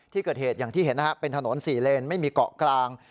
ที่เกิดเหตุอย่างที่เห็นนะครับเป็นถนน๔เลนไม่มีเกาะกลาง